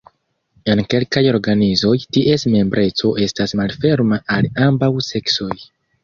En kelkaj organizoj, ties membreco estas malferma al ambaŭ seksoj.